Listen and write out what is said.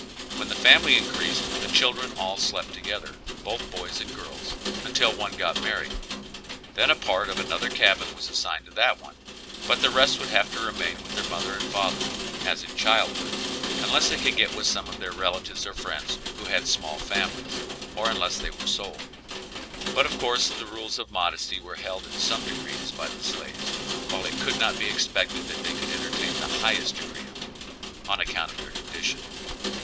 When the family increased the children all slept together, both boys and girls, until one got married; then a part of another cabin was assigned to that one, but the rest would have to remain with their mother and father, as in childhood, unless they could get with some of their relatives or friends who had small families, or unless they were sold; but of course the rules of modesty were held in some degrees by the slaves, while it could not be expected that they could entertain the highest degree of it, on account of their condition.